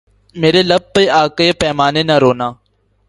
میرے لب پہ آ کر پیمانے نہ رونا